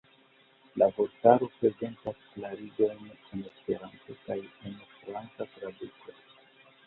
La vortaro prezentas klarigojn en Esperanto kaj en franca traduko.